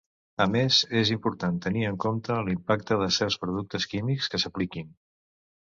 A més, és important tenir en compte l'impacte de certs productes químics que s'apliquin.